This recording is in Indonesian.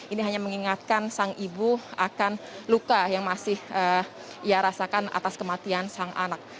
ini hanya mengingatkan sang ibu akan luka yang masih ia rasakan atas kematian sang anak